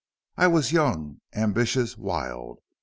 I was young, ambitious, wild.